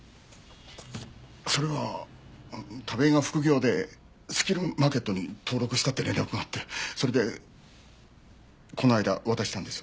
それは田部井が副業でスキルマーケットに登録したって連絡があってそれでこの間渡したんです。